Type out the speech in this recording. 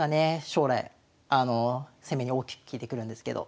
将来攻めに大きく利いてくるんですけど。